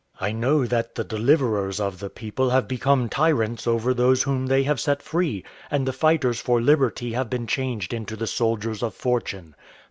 I know that the deliverers of the people have become tyrants over those whom they have set free, and the fighters for liberty have been changed into the soldiers of fortune.